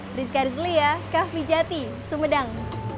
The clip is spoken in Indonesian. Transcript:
berita terkini dari kapolri jati sumedang